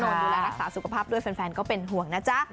ดูแลรักษาสุขภาพด้วยแฟนก็เป็นห่วงนะจ๊ะ